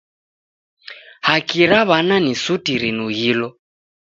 Haki ra w'ana ni suti rinughilo.